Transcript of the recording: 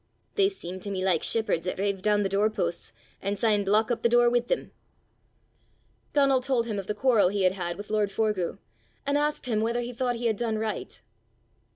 They seem to me like shepherds 'at rive doon the door posts, an' syne block up the door wi' them." Donal told him of the quarrel he had had with lord Forgue, and asked him whether he thought he had done right.